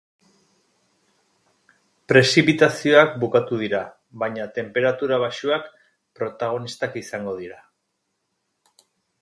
Prezipitazioak bukatuko dira, baina tenperatura baxuak protagonistak izango dira.